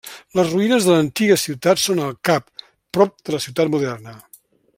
Les ruïnes de l'antiga ciutat són al cap, prop de la ciutat moderna.